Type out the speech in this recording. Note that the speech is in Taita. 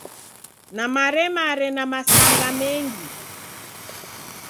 Namaremare na masanga mengi.